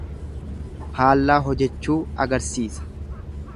Faallaa hojechuu agarsiisa.